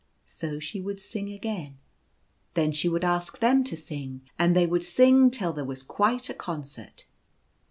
So she would sing again. Then she would ask them to sing, and they would sing till there was quite a con cert.